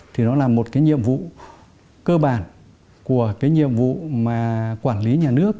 thì nó là một nhiệm vụ cơ bản của nhiệm vụ quản lý nhà nước